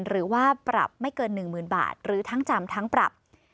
หรือว่าปรับไม่เกิน๑๐๐๐บาทหรือทั้งจำทั้งปรับ